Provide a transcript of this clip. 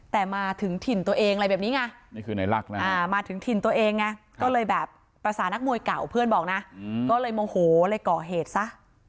แต่มาถึงถิ่นตัวเองอะไรแบบนี้ไงนี่คือในลักษณ์นะมาถึงถิ่นตัวเองไงก็เลยแบบภาษานักมวยเก่าเพื่อนบอกนะก็เลยโมโหเลยก่อเหตุซะ